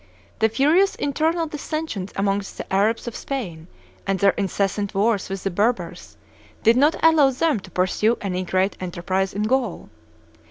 The furious internal dissensions amongst the Arabs of Spain and their incessant wars with the Berbers did not allow them to pursue any great enterprise in Gaul.